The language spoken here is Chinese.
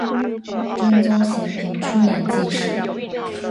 真宗咸平初年进士。